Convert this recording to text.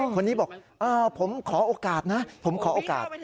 คนนี้บอกผมขอโอกาสนะผมขอโอกาส